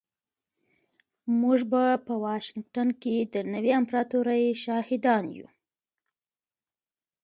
موږ به په واشنګټن کې د نوې امپراتورۍ شاهدان یو